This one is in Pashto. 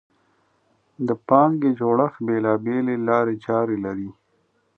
د پانګې جوړښت بېلابېلې لارې چارې لري.